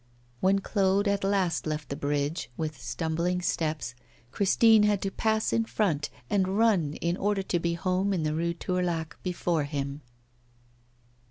When Claude at last left the bridge, with stumbling steps, Christine had to pass in front and run in order to be home in the Rue Tourlaque before him.